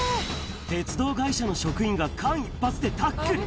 鉄道会社の職員が間一髪でタックル。